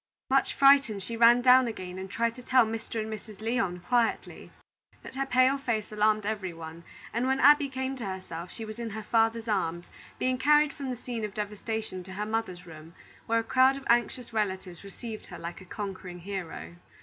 Much frightened, she ran down again and tried to tell Mr. and Mrs. Lyon quietly. But her pale face alarmed every one, and when Abby came to herself, she was in her father's arms, being carried from the scene of devastation to her mother's room, where a crowd of anxious relatives received her like a conquering hero.